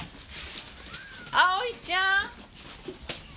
蒼ちゃん！